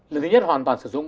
lần thứ nhất hoàn toàn sử dụng